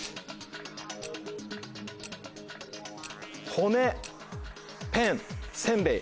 「ほね」「ペン」「せんべい」。